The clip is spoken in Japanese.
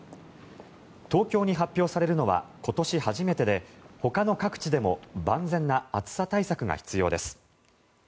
東京に発表されるのは今年初めてでほかの各地でも万全な暑さ対策が必要です。